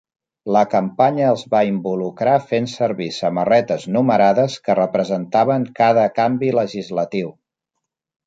La campanya els va involucrar fent servir samarretes numerades que representaven cada canvi legislatiu.